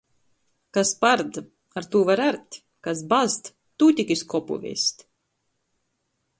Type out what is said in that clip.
Kas pard, ar tū var art, kas bazd – tū tik iz kopu vest.